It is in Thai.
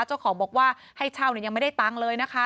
เจ้าของบอกว่าให้เช่ายังไม่ได้ตังค์เลยนะคะ